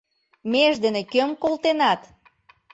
Меж дене кӧм колтенат?